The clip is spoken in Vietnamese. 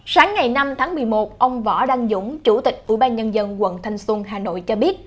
sáng ngày năm tháng một mươi một ông võ đăng dũng chủ tịch ủy ban nhân dân quận thanh xuân hà nội cho biết